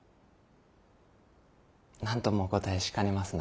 なんともお答えしかねますな。